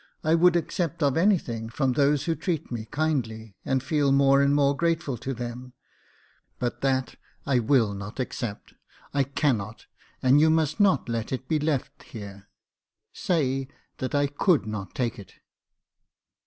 I would accept of anything from those who treat me kindly, and feel more and more grateful to them ; but that I will not accept — I cannot, and you must not let it be left here. Say that I could not take it."